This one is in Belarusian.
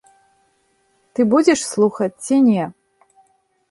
Ты будзеш слухаць ці не?